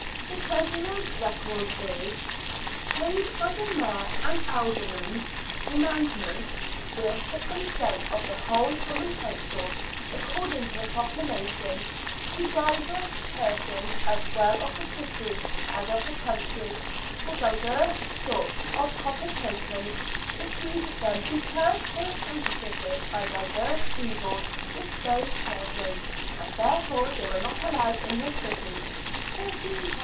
The treasurer's record is :—" Paid by the Mayor and Aldermen's command ment, with the consent of the whole Common Council, according to a proclamation, to divers persons as well of the city as of the country, for divers sorts of copper tokens received of them because they were counter feited by divers evil disposed persons, and therefore l^ey were not allowed in this city, £13 2s.